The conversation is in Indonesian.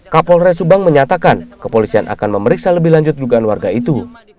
kapolres subang menyatakan kepolisian akan memeriksa lebih lanjut dugaan warga itu